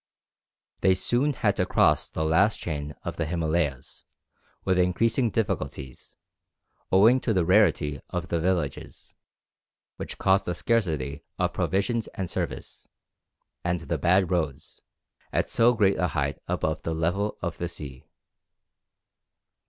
They soon had to cross the last chain of the Himalayas, with increasing difficulties, owing to the rarity of the villages, which caused a scarcity of provisions and service, and the bad roads, at so great a height above the level of the sea.